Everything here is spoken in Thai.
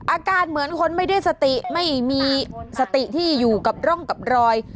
อาการเหมือนคนไม่ได้สติไม่มีสติที่อยู่กับร่องกับรอย